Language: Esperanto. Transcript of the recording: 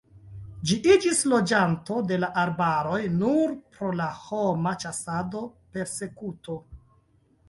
Ĝi iĝis loĝanto de la arbaroj nur pro la homa ĉasado, persekuto.